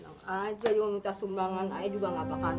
you aja minta sumbangan ayo juga ngapakan